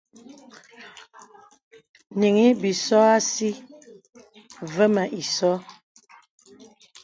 Nīŋhi bīsò àsí və̀ mì ìsō.